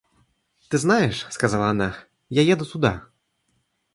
— Ты знаешь, — сказала она, — я еду туда.